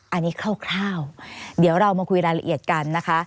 อันนี้คร่าวเดี๋ยวเรามาคุยรายละเอียดกันนะคะ